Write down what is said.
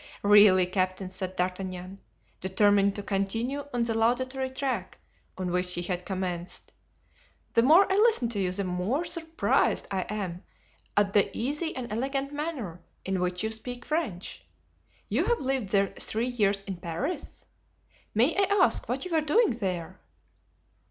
"Really, captain," said D'Artagnan, determined to continue on the laudatory tack on which he had commenced, "the more I listen to you the more surprised I am at the easy and elegant manner in which you speak French. You have lived three years in Paris? May I ask what you were doing there?"